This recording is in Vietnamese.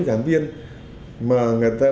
giảng viên mà người ta